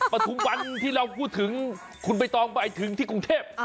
ปฐุมวันที่เราพูดถึงคุณใบตองไปถึงที่กรุงเทพ